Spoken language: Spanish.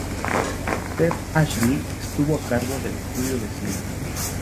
Ted Ashley estuvo a cargo del estudio de cine.